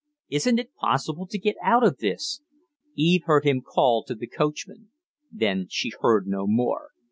"Isn't it possible to get out of this?" Eve heard him call to the coachman. Then she heard no more.